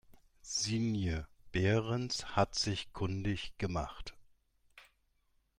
Sinje Behrens hat sich kundig gemacht.